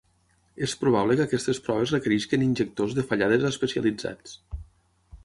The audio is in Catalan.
És probable que aquestes proves requereixin injectors de fallades especialitzats.